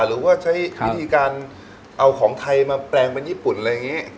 หรือว่าใช้วิธีการเอาของไทยมาแปลงเป็นญี่ปุ่นอะไรอย่างนี้